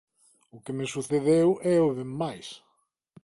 O que me sucedeu éo ben máis.